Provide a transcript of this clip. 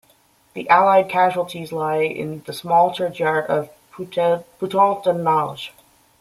The Allied casualties lie in the small churchyard of Putot-en-Auge.